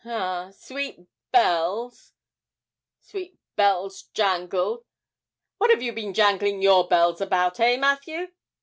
ah, sweet bells, sweet bells jangled. What have you been jangling your bells about, eh, Matthew?'